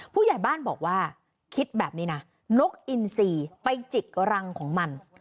ผู้ใหญ่บ้านบอกว่าคิดแบบนี้นะนกอินซีไปจิกรังของมัน